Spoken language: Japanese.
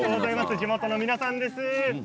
地元の皆さんです。